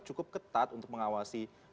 cukup ketat untuk mengawasi